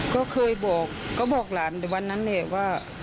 ก็เคยบอกบอกหลานวันนั้นเนี่ยว่า